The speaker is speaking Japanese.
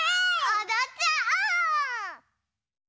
おどっちゃおう！